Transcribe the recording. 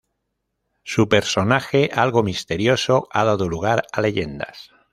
Su personaje, algo misterioso, ha dado lugar a leyendas.